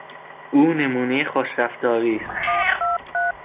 او نمونهی خوش رفتاری است.